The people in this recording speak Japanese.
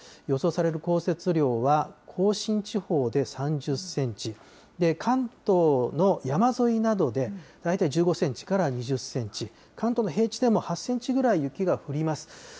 予想される降雪量は、甲信地方で３０センチ、関東の山沿いなどで大体１５センチから２０センチ、関東の平地でも８センチぐらい雪が降ります。